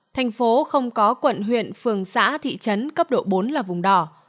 thành phố không có quận huyện phường xã thị trấn cấp độ bốn là vùng đỏ